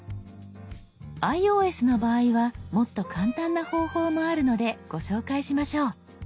ｉＯＳの場合はもっと簡単な方法もあるのでご紹介しましょう。